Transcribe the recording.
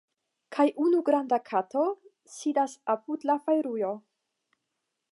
Kaj unu granda kato sidas apud la fajrujo.